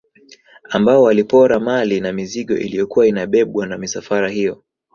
Ambao walipora mali na mizigo iliyokuwa inabebwa na misafara hiyo